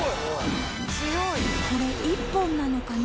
これ一本なのかな？